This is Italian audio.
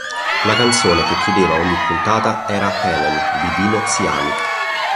La canzone che chiudeva ogni puntata era "Helen" di Dino Siani.